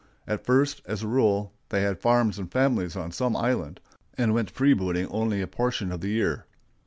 At first, as a rule, they had farms and families on some island, and went freebooting only a portion of the year.